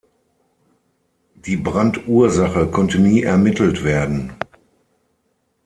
Die Brandursache konnte nie ermittelt werden.